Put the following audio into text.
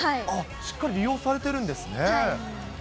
しっかり利用されてるんですね。